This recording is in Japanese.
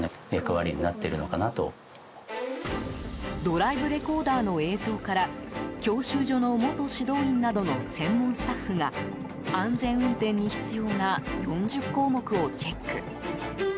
ドライブレコーダーの映像から教習所の元指導員などの専門スタッフが安全運転に必要な４０項目をチェック。